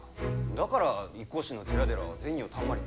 だから一向宗の寺々は銭をたんまり。